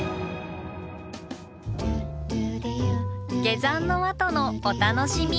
下山のあとのお楽しみ。